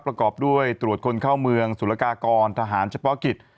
ประกอบด้วยตรวจคนเข้าเมืองสุรกากรทหารเฉพาะกิจ